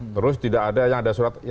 terus tidak ada yang ada surat